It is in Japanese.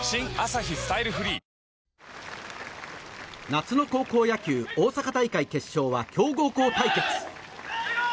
夏の高校野球大阪大会決勝は強豪校対決。